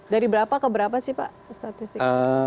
dari berapa ke berapa sih pak statistiknya